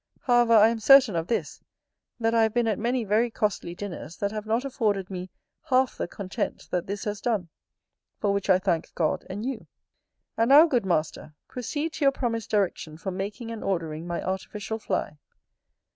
However, I am certain of this, that I have been at many very costly dinners that have not afforded me half the content that this has done; for which I thank God and you. And now, good master, proceed to your promised direction for making and ordering my artificial fly.